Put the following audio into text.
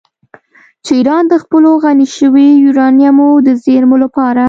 چې ایران د خپلو غني شویو یورانیمو د زیرمو لپاره